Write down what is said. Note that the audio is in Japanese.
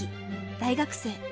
大学生。